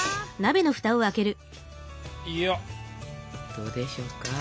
どうでしょうか？